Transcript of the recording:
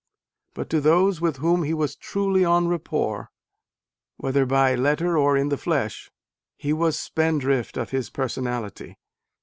But to those with whom he was truly en rapport, whether by letter or in the flesh, he was spendthrift of his personality.